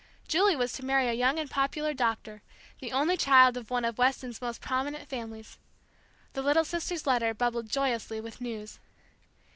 Julie was to marry a young and popular doctor, the only child of one of Weston's most prominent families. The little sister's letter bubbled joyously with news.